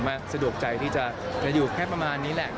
สะดวกใจที่จะอยู่แค่ประมาณนี้แหละ